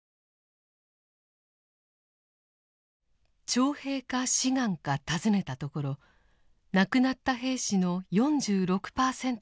徴兵か志願か尋ねたところ亡くなった兵士の４６％が「志願」でした。